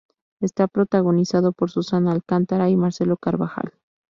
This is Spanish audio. Está protagonizado por Susana Alcántara y Marcelo Carvajal.